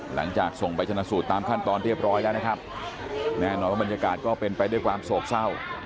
หลังจากส่งไปชนะสูตรตามขั้นตอนเรียบร้อยแล้วนะครับแน่นอนว่าบรรยากาศก็เป็นไปด้วยความโศกเศร้า